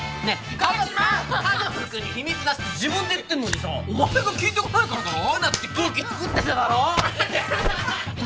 家族に秘密なしって自分で言ってんのにさお前が聞いてこないからだろ聞くなって空気つくってただろだ